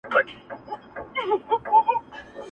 رنگ په رنگ خوږې میوې او خوراکونه؛